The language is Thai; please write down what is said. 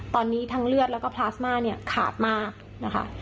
ตอนนี้ทั้งเลือดแล้วก็พลาสมาเนี่ยขาดมากนะคะ